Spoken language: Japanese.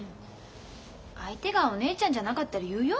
相手がお姉ちゃんじゃなかったら言うよ